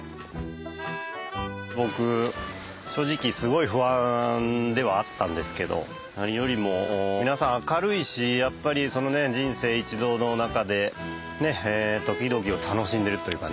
僕正直すごい不安ではあったんですけど何よりも皆さん明るいしやっぱり人生一度の中で時々を楽しんでいるというかね。